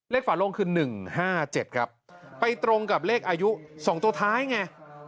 ฝาลงคือ๑๕๗ครับไปตรงกับเลขอายุ๒ตัวท้ายไง